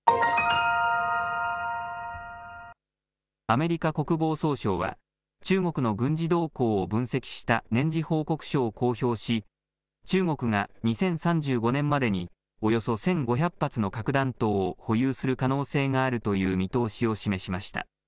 アメリカ国防総省は、中国の軍事動向を分析した年次報告書を公表し、中国が２０３５年までに、およそ１５００発の核弾頭を保有する可能性があるという見通しを示しました。